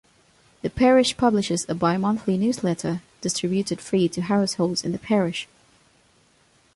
The parish publishes a bi-monthly newsletter distributed free to households in the parish.